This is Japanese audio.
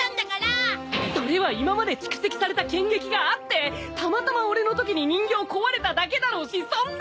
それは今まで蓄積された剣戟があってたまたま俺のときに人形壊れただけだろうしそんな！